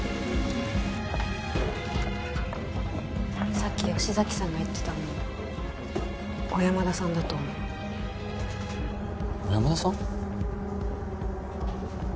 さっき吉崎さんが言ってたの小山田さんだと思う小山田さん？